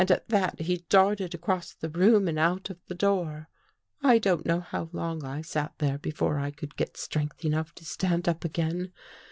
At that he darted across the room and out of the door. " I don't know how long I sat there before I could get strength enough to stand up again.